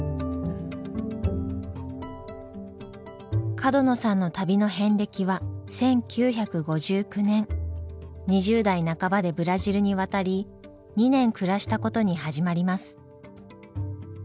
角野さんの旅の遍歴は１９５９年２０代半ばでブラジルに渡り２年暮らしたことに始まります。